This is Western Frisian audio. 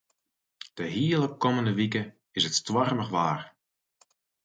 De hiele kommende wike is it stoarmich waar.